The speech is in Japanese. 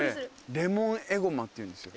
レモンエゴマっていうんですよ。